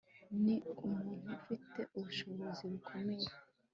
Ni umuntu ufite ubushobozi bukomeye